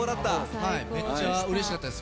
めっちゃうれしかったです。